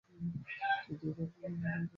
যদিও এই ধর্মের অন্যান্য সম্প্রদায়ে এই প্রথা নেই।